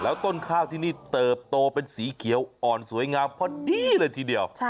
ต้นข้าวที่นี่เติบโตเป็นสีเขียวอ่อนสวยงามพอดีเลยทีเดียว